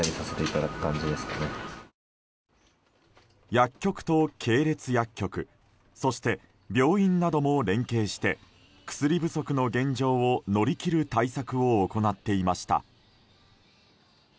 薬局と系列薬局そして病院なども連携して薬不足の現状を乗り切る対策を行っていました。